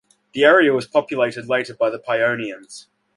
The area was populated later by the Paionians.